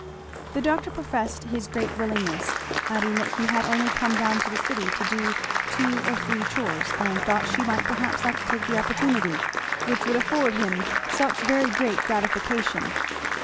The doctor professed his great willingness, adding that he had only come down to the city to do two or three chores and thought she might perhaps like to take the opportunity which would afford him such very great gratification.